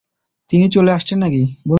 তিনি চলে আসছেন নাকি?